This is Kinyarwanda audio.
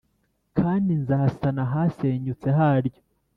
kandi nzasana ahasenyutse haryo